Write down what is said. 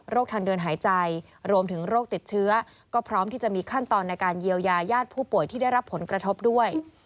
ทางเดินหายใจรวมถึงโรคติดเชื้อก็พร้อมที่จะมีขั้นตอนในการเยียวยาญาติผู้ป่วยที่ได้รับผลกระทบด้วย